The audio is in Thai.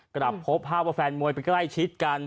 กลับพบภาพว่าแฟนมวยไปใกล้ชิดกัน